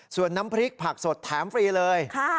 ส่วนน้ำพริกผักสดแถมฟรีเลย